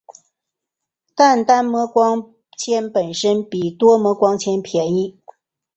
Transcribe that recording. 但单模光纤本身比多模光纤便宜。